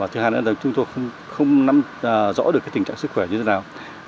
thứ hai là chúng tôi không rõ được tình trạng sức khỏe như thế nào